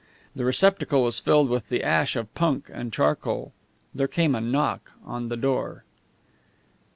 The receptacle was filled with the ash of punk and charcoal. There came a knock on the door.